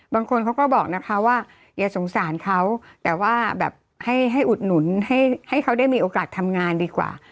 บางคนเขาก็บอกนะคะว่าอย่าสงสารเขาแต่ว่าแบบให้อุดหนุนให้เขาได้มีโอกาสทำงานดีกว่า